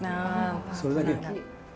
それだけよ。